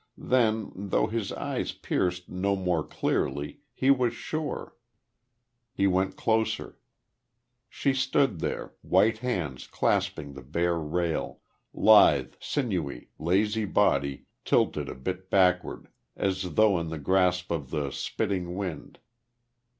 Then, though his eyes pierced no more clearly, he was sure.... He went closer. She stood there, white hands clasping the bare rail, lithe, sinewy, lazy body, tilted a bit backward as though in the grasp of the spitting wind.